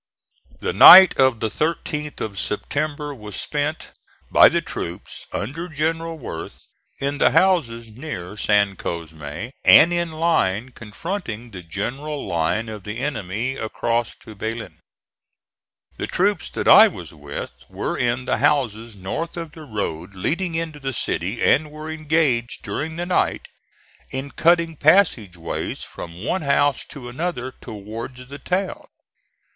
The night of the 13th of September was spent by the troops under General Worth in the houses near San Cosme, and in line confronting the general line of the enemy across to Belen. The troops that I was with were in the houses north of the road leading into the city, and were engaged during the night in cutting passage ways from one house to another towards the town.